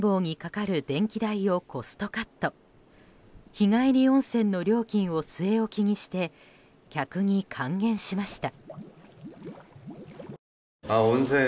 日帰り温泉の料金を据え置きにして客に還元しました。